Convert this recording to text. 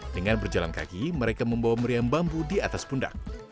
dengan berjalan kaki mereka membawa meriam bambu di atas pundak